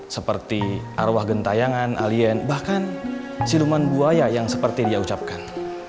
seperti arwah gentayangan alien bahkan siluman buaya yang seperti dia ucapkan